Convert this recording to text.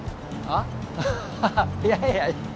あっははいやいや